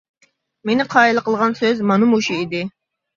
مېنى قايىل قىلغان سۆز مانا مۇشۇ ئىدى.